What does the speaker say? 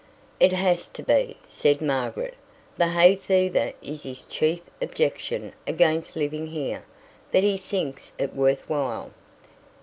"It has to be," said Margaret. "The hay fever is his chief objection against living here, but he thinks it worth while."